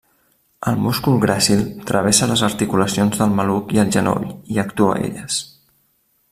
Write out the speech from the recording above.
El múscul gràcil, travessa les articulacions del maluc i el genoll i actua elles.